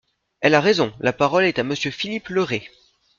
Elle a raison ! La parole est à Monsieur Philippe Le Ray.